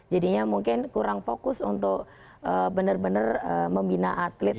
jadinya mungkin kurang fokus untuk benar benar membina atlet